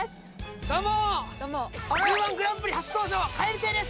どうもＺＯＯ−１グランプリ初登場蛙亭です